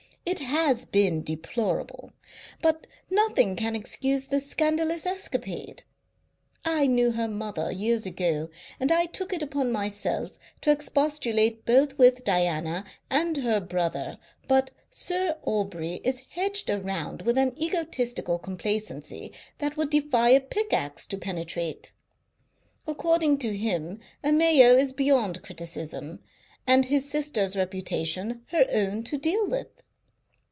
"It has been deplorable. But nothing can excuse this scandalous escapade. I knew her mother years ago, and I took it upon myself to expostulate both with Diana and her brother, but Sir Aubrey is hedged around with an egotistical complacency that would defy a pickaxe to penetrate. According to him a Mayo is beyond criticism, and his sister's reputation her own to deal with.